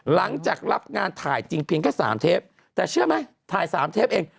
หลังจากรับงานถ่ายจริงเพียงแค่สามเทปแต่เชื่อไหมถ่ายสามเทปเอง